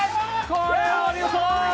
これはお見事。